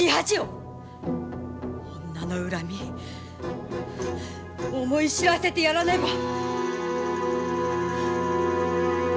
女の恨み思いしらせてやらねば。